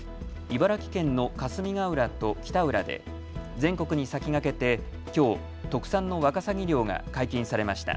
茨城県の霞ヶ浦と北浦で全国に先駆けてきょう特産のワカサギ漁が解禁されました。